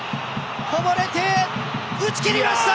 こぼれて、打ち切りました！